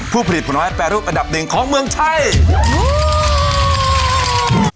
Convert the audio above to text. ผู้ผลิตผลไม้แปรรูปอันดับหนึ่งของเมืองไทย